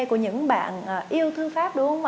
của những bạn yêu thư pháp